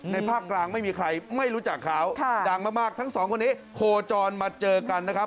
ภาคกลางไม่มีใครไม่รู้จักเขาดังมากทั้งสองคนนี้โคจรมาเจอกันนะครับ